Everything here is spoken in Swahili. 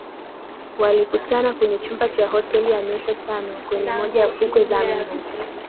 walikutana kwenye chumba cha hotel ya nyota tano kwenye moja ya fukwe za mjini